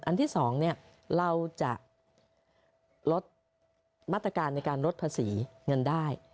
ที่๒เราจะลดมาตรการในการลดภาษีเงินได้